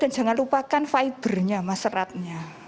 dan jangan lupakan fibernya sama seratnya